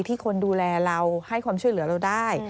คนดูแลเราให้ความช่วยเหลือเราได้